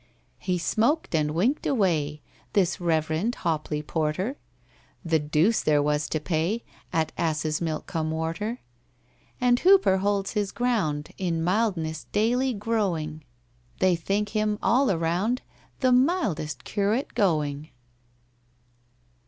He smoked and winked away— This REVEREND HOPLEY PORTER— The deuce there was to pay At Assesmilk cum Worter. And HOOPER holds his ground, In mildness daily growing— They think him, all around, The mildest curate going.